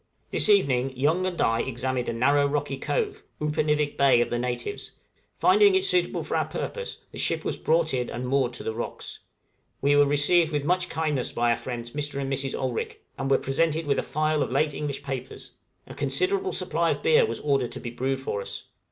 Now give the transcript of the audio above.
This evening Young and I examined a narrow rocky cove Upernivik Bay of the natives; finding it suitable for our purpose, the ship was brought in and moored to the rocks. We were received with much kindness by our friends, Mr. and Mrs. Olrik, and were presented with a file of late English papers. A considerable supply of beer was ordered to be brewed for us.